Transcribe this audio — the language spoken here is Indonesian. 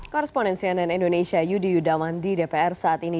korrespondensi ann indonesia yudi yudawan di dpr saat ini